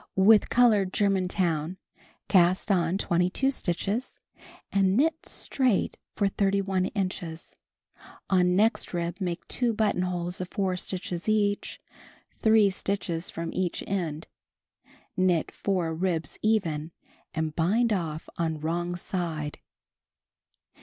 With colored Germantown cast on 22 stitches and knit straight for 31 inches; on next rib make 2 buttonholes of 4 stitches each, 3 stitches from each end ; knit 4 ribs even and bind off on wrong side.